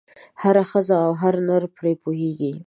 هره ښځه او هر نر پرې پوهېږي.